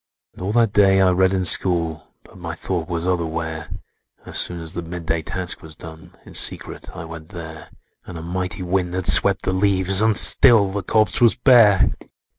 "And all that day I read in school, But my thought was otherwhere; As soon as the midday task was done, In secret I went there: And a mighty wind had swept the leaves, And still the corpse was bare!